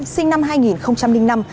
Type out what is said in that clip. sinh năm hai nghìn năm